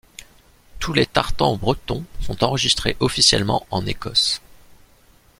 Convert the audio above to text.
Tous les tartans bretons sont enregistrés officiellement en Écosse.